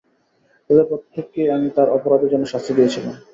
তাদের প্রত্যেককেই আমি তার অপরাধের জন্যে শাস্তি দিয়েছিলাম।